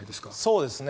そうですね。